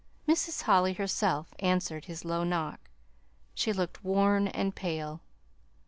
Mrs. Holly herself answered his low knock. She looked worn and pale.